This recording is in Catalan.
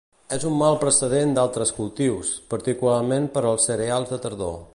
És un mal precedent d'altres cultius, particularment per als cereals de tardor.